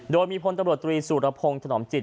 โดยมีพลตบรตรี่สุรพงศ์ถน่อมจิต